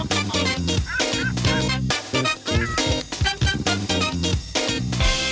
สวัสดีใครก่อนไม่ใช่สวัสดีอีกก่อน